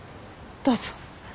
どうぞ。